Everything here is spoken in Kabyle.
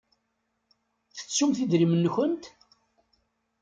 Tettumt idrimen-nkent?